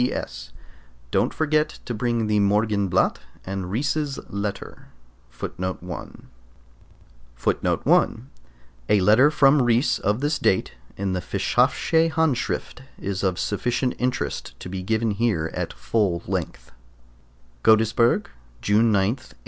P.S. Don't forget to bring the "Morgenblatt" and Ries's letter. [Footnote 1: A letter from Ries of this date, in the Fischhof'sche Handschrift, is of sufficient interest to be given here at full length: Godesberg, June 9, 1825.